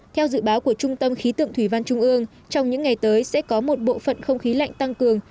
theo dự báo của trung tâm khí tượng thủy văn trung ương trong những ngày tới sẽ có một bộ phận không khí lạnh tăng cường